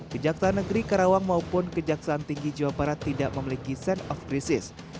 kejaksaan negeri karawang maupun kejaksaan tinggi jawa barat tidak memiliki sense of crisis